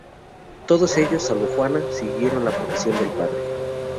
Todos ellos, salvo Juana, siguieron la profesión del padre.